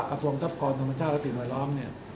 กระทรวมทรัพย์กรธรรมชาติและสินวัยล้อม